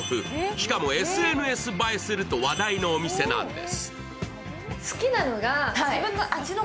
しかもＳＮＳ映えすると話題のお店なんです。